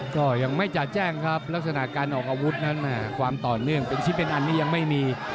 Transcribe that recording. ก็ยังไม่จะแจ้งครับลักษณะการออกอาวุธนั้นความต่อเนื่องเป็นชิ้นเป็นอันนี้ยังไม่มี